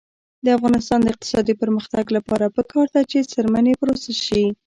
د افغانستان د اقتصادي پرمختګ لپاره پکار ده چې څرمنې پروسس شي.